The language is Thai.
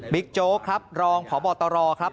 บิ๊กโจ๊กครับรองผอบอตรครับ